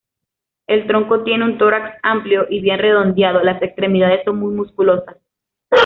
El tronco tiene un tórax amplio y bien redondeado; las extremidades son muy musculosas.